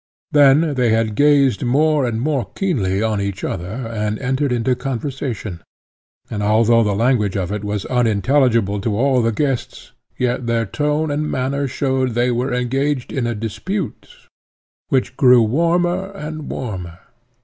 Then they had gazed more and more keenly on each other, and entered into conversation; and although the language of it was unintelligible to all the guests, yet their tone and manner showed they were engaged in a dispute, which grew warmer and warmer.